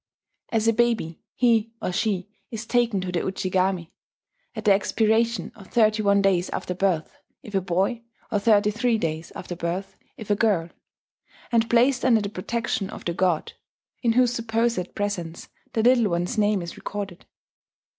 As a baby he or she is taken to the Ujigami (at the expiration of thirty one days after birth if a boy, or thirty three days after birth if a girl) and placed under the protection of the god, in whose supposed presence the little one's name is recorded.